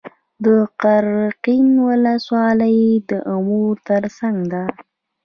د قرقین ولسوالۍ د امو تر څنګ ده